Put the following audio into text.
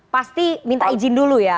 pasti minta izin dulu ya